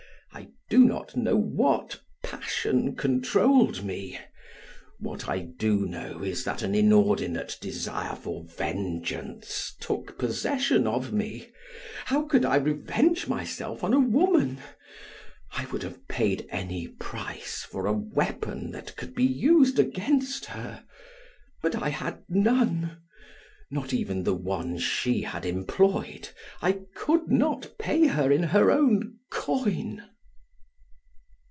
I do not know what passion controlled me. What I do know is that an inordinate desire for vengeance took possession of me. How could I revenge myself on a woman? I would have paid any price for a weapon that could be used against her. But I had none, not even the one she had employed; I could not pay her in her own coin.